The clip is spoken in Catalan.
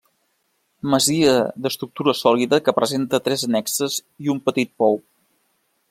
Masia d'estructura sòlida que presenta tres annexes i un petit pou.